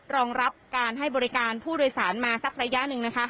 รองรับการให้บริการผู้โดยสารมาสักระยะหนึ่งนะคะ